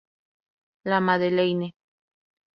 La Madeleine